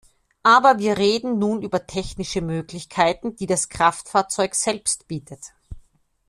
Aber wir reden nun über technische Möglichkeiten, die das Kraftfahrzeug selbst bietet.